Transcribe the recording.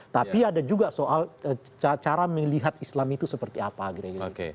tapi ada juga soal cara melihat islam itu seperti apa kira kira